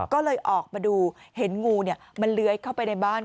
ก็เลยออกมาดูเห็นงูมันเลื้อยเข้าไปในบ้าน